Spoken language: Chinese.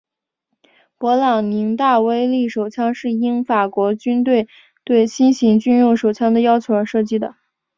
勃朗宁大威力手枪是应法国军队对新型军用手枪的要求而设计的。